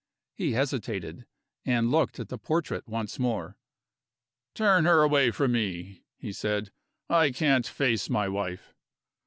He hesitated and looked at the portrait once more. "Turn her away from me," he said; "I can't face my wife."